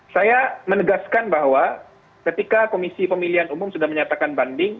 saya menegaskan bahwa ketika komisi pemilihan umum sudah menyatakan banding